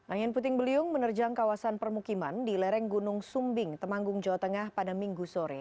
angin puting beliung menerjang kawasan permukiman di lereng gunung sumbing temanggung jawa tengah pada minggu sore